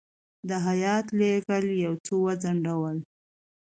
د هیات لېږل یو څه وځنډول.